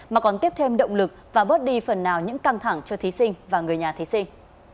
mà còn tiếp thêm động lực và bớt đi phần nào những căng thẳng cho thí sinh và người nhà thí sinh